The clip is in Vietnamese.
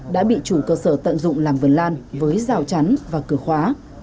đã bị chủ cơ sở tận dụng làm vườn lan với rào chắn và cửa khóa